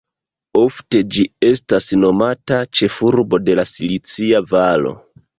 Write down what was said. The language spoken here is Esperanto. Ofte ĝi estas nomata "ĉefurbo de Silicia Valo.